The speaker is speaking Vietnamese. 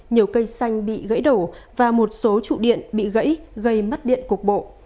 nhiều cây xanh bị gãy đổ và một số trụ điện bị gãy gây mất điện cục bộ